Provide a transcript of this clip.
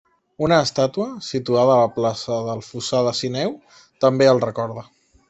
Una estàtua, situada a la plaça del Fossar de Sineu, també el recorda.